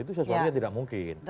itu sesuatu yang tidak mungkin